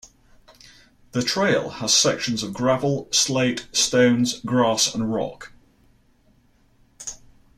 The trail has sections of gravel, slate stones, grass and rock.